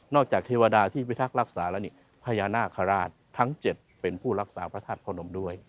จากเทวดาที่พิทักษ์รักษาแล้วนี่พญานาคาราชทั้ง๗เป็นผู้รักษาพระธาตุพระนมด้วย